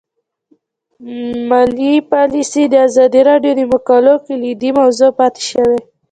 مالي پالیسي د ازادي راډیو د مقالو کلیدي موضوع پاتې شوی.